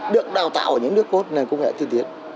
được đào tạo ở những nước cốt nền công nghệ tiên tiến